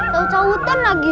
tahu tau hutan lagi